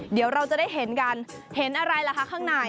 เดี๋ยวเราจะได้เห็นกันเห็นอะไรล่ะคะข้างใน